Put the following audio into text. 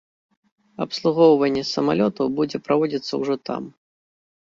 Абслугоўванне самалётаў будзе праводзіцца ўжо там.